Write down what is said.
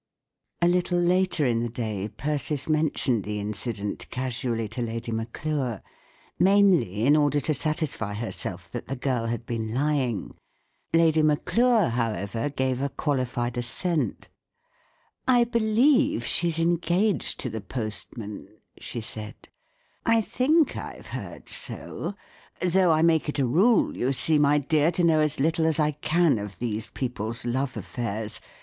A little later in the day Persis mentioned the incident casually to Lady Maclure— mainly in order to satisfy herself that the girl had been lying. Lady Maclure, however, gave a qualified assent:— " I believe she's engaged to the postman," she said. " I think I've heard so; though I make it a rule, you see, my dear, to know as little as I can of these people's love affairs.